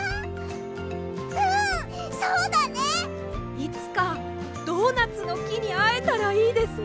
いつかドーナツのきにあえたらいいですね。